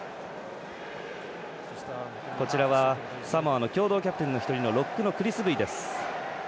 サモアの共同キャプテンのロックのクリス・ブイです。